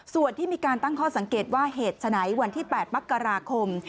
ส่วนที่มีการตั้งข้อสังเกตว่าเหตุฉะไหนวันที่๘มกราคม